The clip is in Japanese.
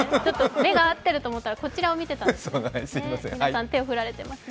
目が合ってると思ったらこちらを見てたんですね。